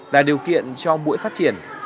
là điều kiện cho mũi phát triển